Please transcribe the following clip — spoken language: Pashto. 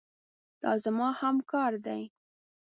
دا زما همکار دی.